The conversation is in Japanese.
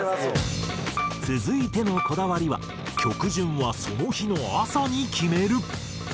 続いてのこだわりは曲順はその日の朝に決める。